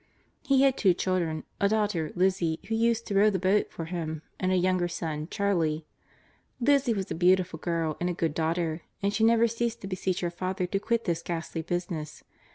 He had two children a daughter, Lizzie, who used to row the boat for him, and a younger son, Charley. Lizzie was a beautiful girl and a good daughter, and she never ceased to beseech her father to quit this ghastly business.